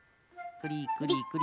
クリクリクリ。